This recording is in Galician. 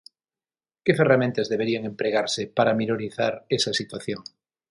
Que ferramentas deberían empregarse para minorizar esa situación?